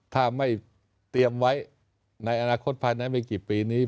ถ้าไม่เตรียมไว้ในอนาคตภายในไม่กี่ปีนี้